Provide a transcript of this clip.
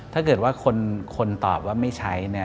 ถ้าเกิดว่าคนตอบว่าไม่ใช้เนี่ย